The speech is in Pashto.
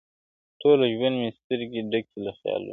ټوله ژوند مي سترګي ډکي له خیالونو!!